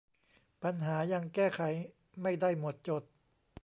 ปัญหายังแก้ไขไม่ได้หมดจด